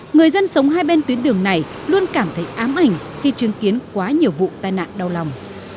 người dân sống hai bên tuyến đường này luôn cảm thấy ám ảnh khi chứng kiến quá nhiều vụ tai nạn đau lòng